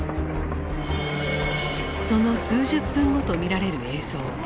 その数十分後と見られる映像。